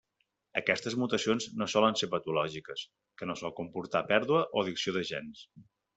Aquestes mutacions no solen ser patològiques, que no sol comportar pèrdua o addició de gens.